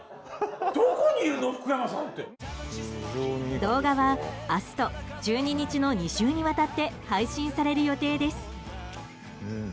動画は明日と１２日の２週にわたって配信される予定です。